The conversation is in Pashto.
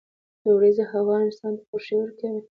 • د ورځې هوا انسان ته خوښي ورکوي.